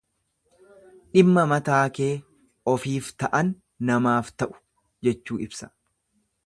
Dhimma mataa kee, ofiif ta'an namaaf ta'u jechuu ibsa.